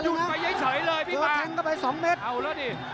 โดนท่องโดนท่องมีอาการ